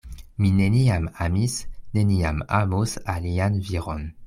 Mi neniam amis, neniam amos alian viron.